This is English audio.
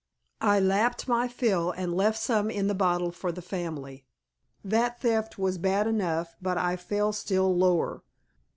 I lapped my fill and left some in the bottle for the family. That theft was bad enough, but I fell still lower.